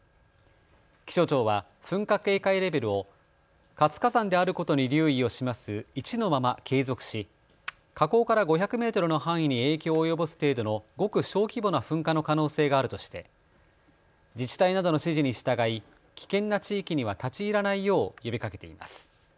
気象庁は噴火警戒レベルを活火山であることに留意を示す１のまま継続し火口から５００メートルの範囲に影響を及ぼす程度のごく小規模な噴火の可能性があるとして自治体などの指示に従い危険な地域には立ち入らないよう呼びかけています。